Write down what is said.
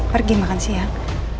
pergi makan siang